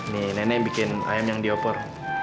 nih nenek bikin ayam yang diopor